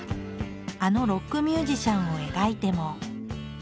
あのロックミュージシャンを描いても。